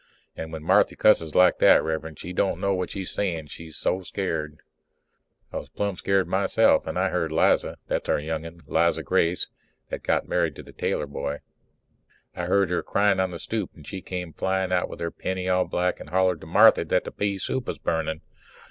And when Marthy cusses like that, Rev'rend, she don't know what she's saying, she's so scared. I was plumb scared myself. I heard Liza that's our young un, Liza Grace, that got married to the Taylor boy. I heard her crying on the stoop, and she came flying out with her pinny all black and hollered to Marthy that the pea soup was burning.